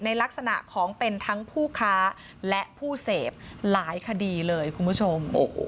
ลักษณะของเป็นทั้งผู้ค้าและผู้เสพหลายคดีเลยคุณผู้ชม